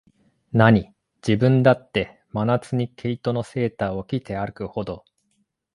なに、自分だって、真夏に毛糸のセーターを着て歩くほど、